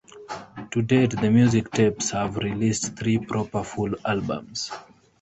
To date, the Music Tapes have released three proper full albums.